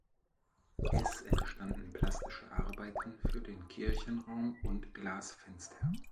Es entstanden plastische Arbeiten für den Kirchenraum und Glasfenster.